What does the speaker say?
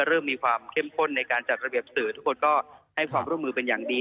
เริ่มมีความเข้มข้นในการจัดระเบียบสื่อทุกคนก็ให้ความร่วมมือเป็นอย่างดี